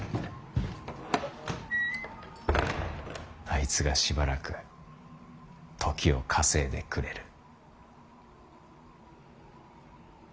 あいつがしばらく時を稼いでくれる。